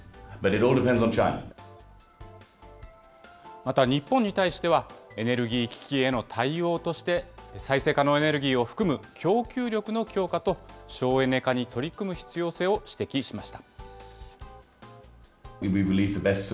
また日本に対しては、エネルギー危機への対応として、再生可能エネルギーを含む供給力の強化と省エネ化に取り組む必要性を指摘しました。